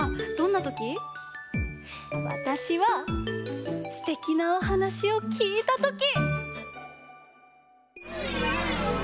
わたしはすてきなおはなしをきいたとき！